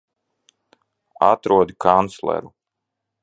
Atrodi kancleru!